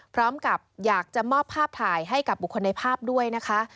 พร้อมกับอยากจะมอบภาพถ่ายให้กับบุคคลในภาพด้วยนะคะ